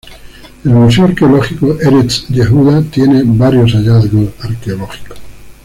El Museo arqueológico Eretz Yehuda tiene varios hallazgos arqueológicos.